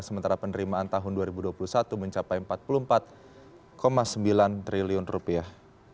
sementara penerimaan tahun dua ribu dua puluh satu mencapai empat puluh empat sembilan triliun rupiah